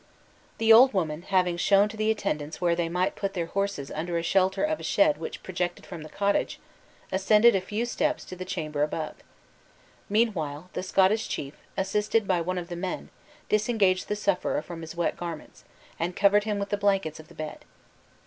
The old woman having shown to the attendants where they might put their horses under shelter of a shed which projected from the cottage, ascended a few steps to the chamber above. Meanwhile, the Scottish chief, assisted by one of the men, disengaged the sufferer from his wet garments, and covered him with the blankets of the bed.